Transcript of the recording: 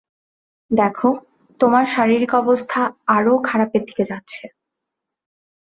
দেখো, তোমার শারীরিক অবস্থা আরও খারাপের দিকে যাচ্ছে।